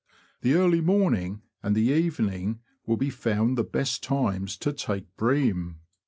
The early morning and the evening will be found the best times to take bream.